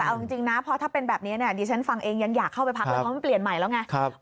เอาจริงนะเพราะถ้าเป็นแบบนี้เนี่ยดิฉันฟังเองยังอยากเข้าไปพักเลยเพราะมันเปลี่ยนใหม่แล้วไง